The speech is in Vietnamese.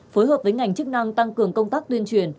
phối hợp với ngành chức năng tăng cường công tác tuyên truyền